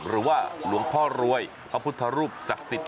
หรือว่าหลวงพ่อรวยพระพุทธรูปศักดิ์สิทธิ